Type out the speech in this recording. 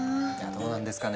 どうなんですかね。